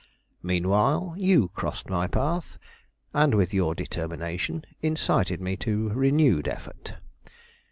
Meanwhile, you crossed my path, and with your determination incited me to renewed effort.